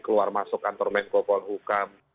keluar masuk kantor menko polhukam